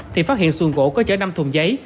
thì phát hiện xuồng gỗ có chở năm thùng giấy